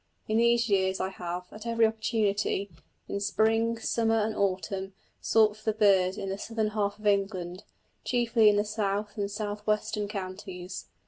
In these years I have, at every opportunity, in spring, summer, and autumn, sought for the bird in the southern half of England, chiefly in the south and south western counties.